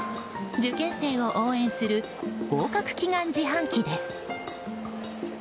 受験生を応援する合格祈願自販機です。